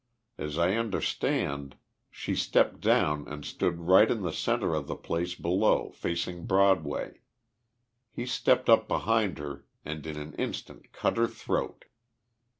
As I understand, she stepped down and stood right in the centre of the place below, facing Broadway. He stepped up behind her and in an instant cut her throat.